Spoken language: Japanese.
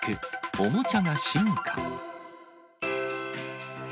おもちゃが進化。